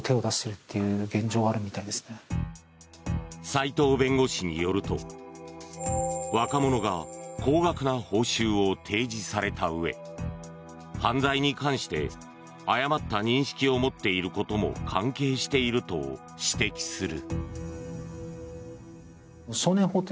齋藤弁護士によると、若者が高額な報酬を提示されたうえ犯罪に関して誤った認識を持っていることも関係していると指摘する。